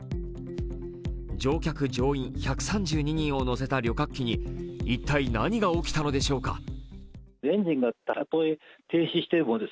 乗客・乗員１３２人を乗せた旅客機に一体何が起きたのでしょうか。